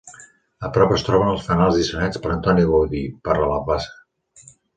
A prop es troben els fanals dissenyats per Antoni Gaudí per a la plaça.